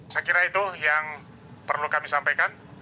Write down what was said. saya kira itu yang perlu kami sampaikan